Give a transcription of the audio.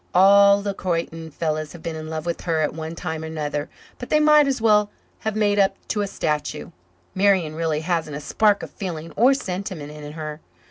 All the Croyden fellows have been in love with her at one time or another but they might as well have made up to a statue. Marian really hasn't a spark of feeling or sentiment in her.